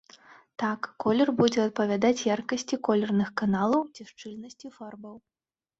Так, колер будзе адпавядаць яркасці колерных каналаў ці шчыльнасці фарбаў.